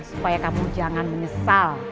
supaya kamu jangan menyesal